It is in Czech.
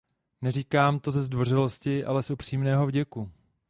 Neříkám to ze zdvořilosti, ale z upřímného vděku.